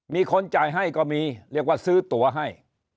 มีคนจ่ายให้ก็มีเรียกว่าซื้อตัวให้